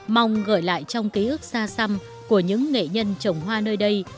mong gởi lại trong kí ức xa xăm của những nghệ nhân trồng hoa nơi đây